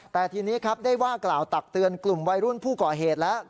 แต่ทีนี้ครับได้ว่ากล่าวตักเตือนกลุ่มวัยรุ่นผู้ก่อเหตุแล้ว